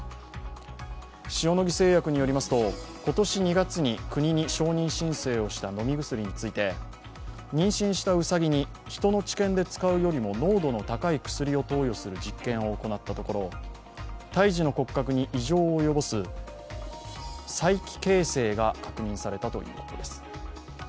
塩野義製薬によりますと今年２月に国に承認申請した飲み薬について、妊娠したうさぎに人の治験で使うよりも濃度の高い薬を投与する実験を行ったところ胎児の骨格に異常を及ぼす催奇形性が確認されたということです。